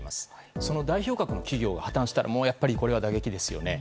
その代表格の企業が破綻したら打撃ですよね。